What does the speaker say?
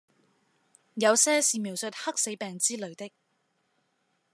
有些是描述黑死病之類的